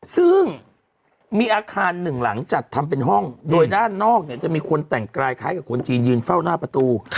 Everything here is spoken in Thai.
ซึ่งมีอาคารหนึ่งหลังจัดทำเป็นห้องโดยด้านนอกเนี่ยจะมีคนแต่งกายคล้ายกับคนจีนยืนเฝ้าหน้าประตู